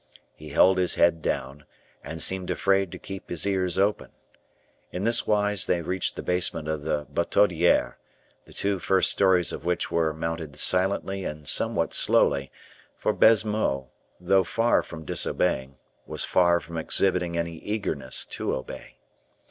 He held his head down, and seemed afraid to keep his ears open. In this wise they reached the basement of the Bertaudiere, the two first stories of which were mounted silently and somewhat slowly; for Baisemeaux, though far from disobeying, was far from exhibiting any eagerness to obey.